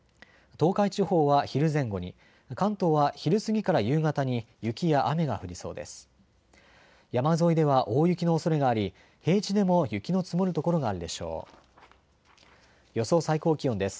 東海地方は昼前後に、関東は昼過ぎから夕方に雪や雨が降りそうです。